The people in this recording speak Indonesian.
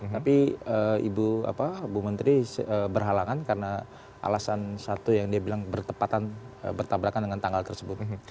tapi ibu menteri berhalangan karena alasan satu yang dia bilang bertabrakan dengan tanggal tersebut